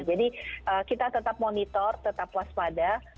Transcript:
kita tetap monitor tetap waspada